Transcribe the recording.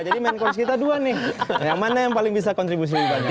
jadi main course kita dua nih yang mana yang paling bisa kontribusi lebih banyak